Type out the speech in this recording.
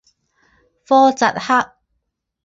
科扎克。